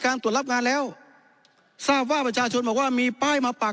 ตรวจรับงานแล้วทราบว่าประชาชนบอกว่ามีป้ายมาปาก